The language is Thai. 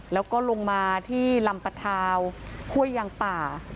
แล้วก็ลงมาที่ลำปะทาวห้วยยางป่า